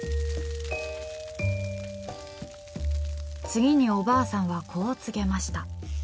次におばあさんはこう告げました。